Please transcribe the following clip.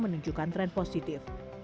menunjukkan tren positif